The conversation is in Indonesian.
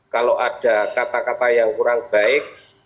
kalau ada kata kata yang kurang baik